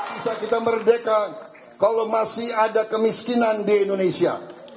bisa kita merdeka kalau masih ada kemiskinan di indonesia